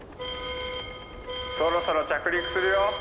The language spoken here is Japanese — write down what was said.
「そろそろ着陸するよ」。